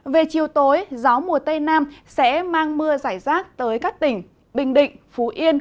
về chiều tối gió mùa tây nam sẽ mang mưa giải rác tới các tỉnh bình định phú yên